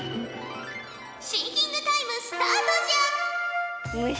シンキングタイムスタートじゃ！